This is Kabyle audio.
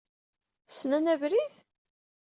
Ssnen abrid?